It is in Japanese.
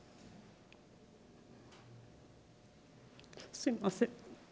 すいません。